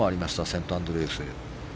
セントアンドリュース。